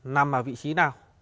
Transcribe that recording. nằm ở vị trí nào